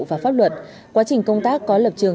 và pháp luật quá trình công tác có lập trường